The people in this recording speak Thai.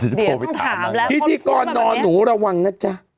เดี๋ยวต้องถามละ